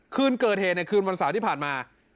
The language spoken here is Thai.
คืนเกิดเหตุในคืนวันเสาร์ที่ผ่านมา